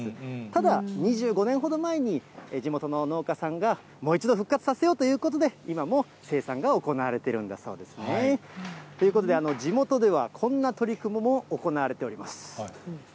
ただ、２５年ほど前に地元の農家さんが、もう一度復活させようということで、今も生産が行われているんだそうですね。ということで、地元ではこんな取り組みも行われております。